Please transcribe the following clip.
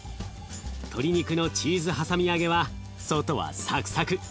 鶏肉のチーズはさみ揚げは外はサクサク中はしっとり。